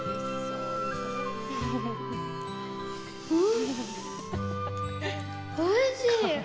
ん、おいしい！